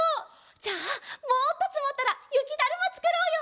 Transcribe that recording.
じゃあもっとつもったらゆきだるまつくろうよ！